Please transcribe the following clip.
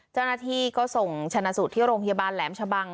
เจ้าหน้าที่ก็ส่งชนะสูตรที่โรงพยาบาลแหลมชะบัง